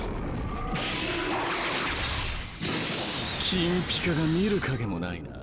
金ピカが見る影もないな。